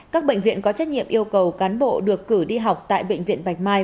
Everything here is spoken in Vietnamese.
các bệnh viện có trách nhiệm yêu cầu cán bộ được cử đi học tại bệnh viện bạch mai